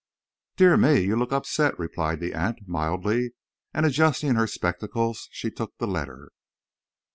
"Dear me! You look upset," replied the aunt, mildly, and, adjusting her spectacles, she took the letter.